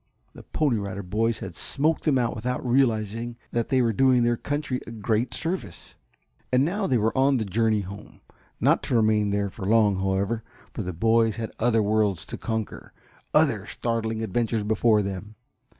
The Pony Rider Boys had smoked them out without realizing that they were doing their country a great service. And now they were on their journey home. Not to remain there for long, however, for the boys had other worlds to conquer, other startling adventures before them.